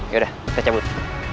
yaudah kita cabut